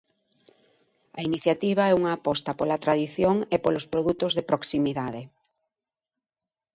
A iniciativa é unha aposta pola tradición e polos produtos de proximidade.